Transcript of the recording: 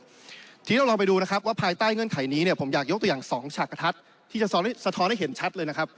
ทีนี้เราลองไปดูว่าภายใต้เงื่อนไขนี้ผมอยากยกตัวอย่าง๒ฉากขทัดที่จะสะท้อนให้เห็นชัดเลย